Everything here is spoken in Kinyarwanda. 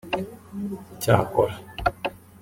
Icyakora